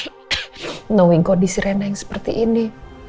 tidak mengenai kondisi rena yang seperti ini